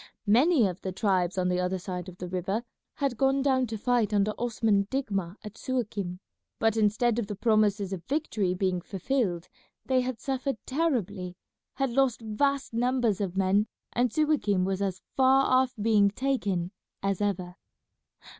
Many of the tribes on the other side of the river had gone down to fight under Osman Digma at Suakim, but instead of the promises of victory being fulfilled they had suffered terribly, had lost vast numbers of men, and Suakim was as far off being taken as ever.